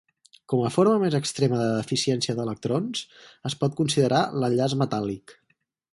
Com a forma més extrema de deficiència d'electrons, es pot considerar l'enllaç metàl·lic.